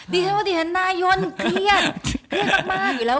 ดิฉันว่าดิฉันนายนเครียดเครียดมากอยู่แล้ว